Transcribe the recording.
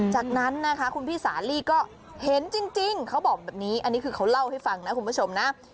จากนั้นนะคะคุณพี่สาลีก็เห็นจริงเขาบอกแบบนี้อันนี้คือเขาเล่าให้ฟังนะคุณผู้ชมนะ